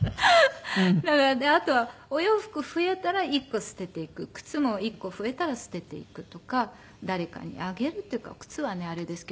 なのであとはお洋服増えたら１個捨てていく靴も１個増えたら捨てていくとか誰かにあげるっていうか靴はねあれですけど。